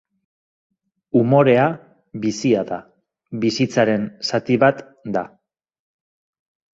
Umorea bizia da, bizitzaren zati bat da.